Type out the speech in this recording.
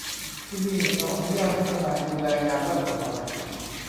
ที่นี่เราอนุญาตให้ทนายดูแลงานด้านกฎหมาย